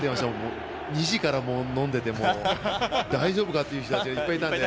２時から飲んでても大丈夫かなという人がいっぱいいたので。